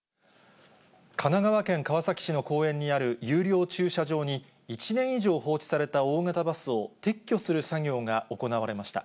神奈川県川崎市の公園にある有料駐車場に、１年以上放置された大型バスを撤去する作業が行われました。